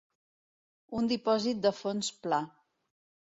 Un dipòsit de fons pla.